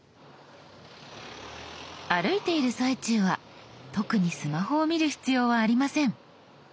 歩いている最中は特にスマホを見る必要はありません。